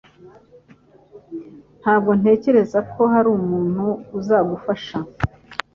Ntabwo ntekereza ko hari umuntu uzagufasha